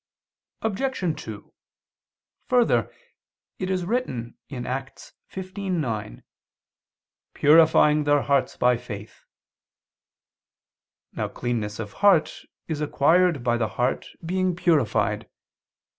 Obj. 2: Further, it is written (Acts 15:9): "Purifying their hearts by faith." Now cleanness of heart is acquired by the heart being purified.